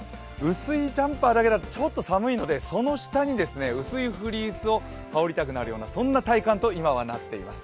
薄いジャンパーだけだとちょっと寒いのでその下に薄いフリースを羽織りたくなるようなそんな体感と今はなっています。